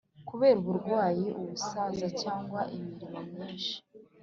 kubera uburwayi, ubusaza cyangwa imirimo myinshi,